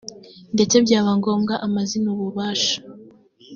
ndetse byaba ngombwa amazina ububasha